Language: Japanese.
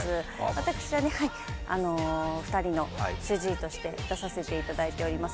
私は２人の主治医として出させていただいております。